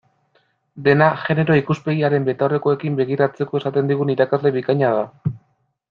Dena genero ikuspegiaren betaurrekoekin begiratzeko esaten digun irakasle bikaina da.